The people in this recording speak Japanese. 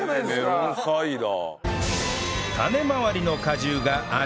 メロンサイダー